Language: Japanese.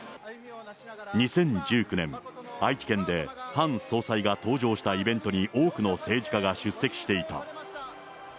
２０１９年、愛知県でハン総裁が登場したイベントに多くの政治家が出席していた。